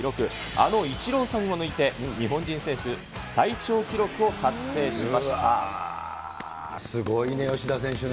あのイチローさんを抜いて、日本人選手最長記録を達成しましすごいね、吉田選手ね。